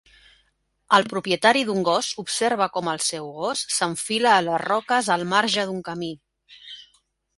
El propietari d'un gos observa com el seu gos s'enfila a les roques al marge d'un camí.